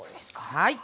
はい。